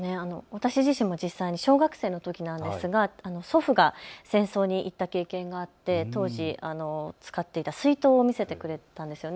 私自身も実際、小学生のときなんですが祖父が戦争に行った経験があって当時、使っていた水筒を見せてくれたんです。